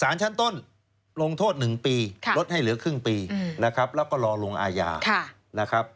สารชั้นต้นลงโทษ๑ปีลดให้เหลือครึ่งปีแล้วก็ลองลงอาญา